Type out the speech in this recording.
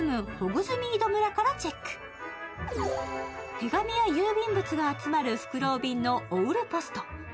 手紙や郵便物が集まるふくろう便のオウルポスト。